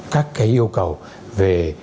các cái yêu cầu về